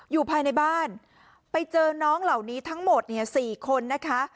อยู่ภายในบ้านไปเจอน้องเหล่านี้ทั้งหมดเนี่ย๔คนนะคะ